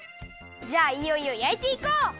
じゃあいよいよやいていこう！